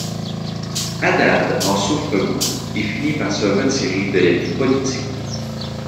Haddad en souffre beaucoup et finit par se retirer de la vie politique.